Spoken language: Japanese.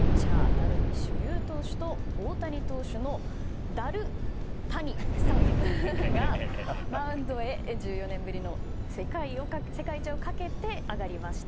ダルビッシュ有投手と大谷投手のダル谷さんがマウンドへ１４年ぶりの世界一をかけて上がりました。